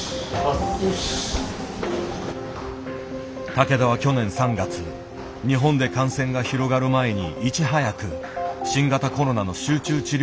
竹田は去年３月日本で感染が広がる前にいち早く新型コロナの集中治療室を新設した。